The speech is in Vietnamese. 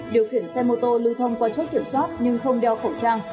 điều khiển xe mô tô lưu thông qua chốt kiểm soát nhưng không đeo khẩu trang